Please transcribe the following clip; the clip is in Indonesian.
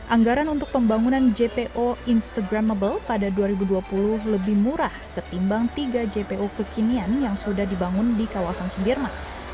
anggaran untuk pembangunan jpo instagramable pada dua ribu dua puluh lebih murah ketimbang tiga jpo kekinian yang sudah dibangun di kawasan sudirman